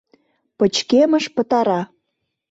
Пычкемыш пытара.